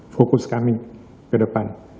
fokus kami ke depan